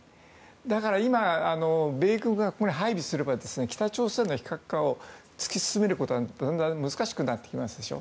だから、今米軍がここに配備すれば北朝鮮の非核化を突き進めることがだんだん難しくなってきますでしょ。